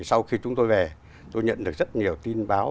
sau khi chúng tôi về tôi nhận được rất nhiều tin báo